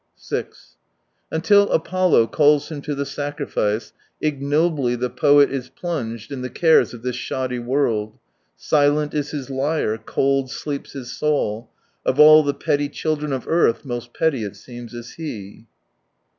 6 " Until Apollo calls him to the sacrifice, ignobly the poet is plunged in the cares of this shoddy world ; silent is his lyre, cold sleeps his soul, of all the petty children of earth most petty it seems is he."